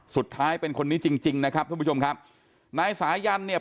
สุดท้ายเป็นคนนี้จริงจริงนะครับท่านผู้ชมครับนายสายันเนี่ย